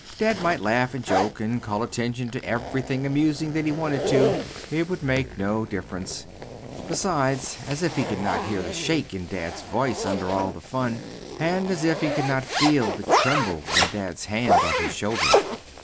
Dad might laugh and joke and call attention to everything amusing that he wanted to it would make no difference. Besides, as if he could not hear the shake in dad's voice under all the fun, and as if he could not feel the tremble in dad's hand on his shoulder!